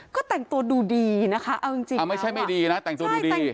ก็แต่งตัวดูดีนะคะเอาจริงไม่ใช่ไม่ดีนะแต่งตัวดูดี